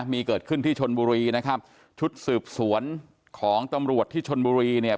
มีเกิดขึ้นที่ชนบุรีนะครับชุดสืบสวนของตำรวจที่ชนบุรีเนี่ย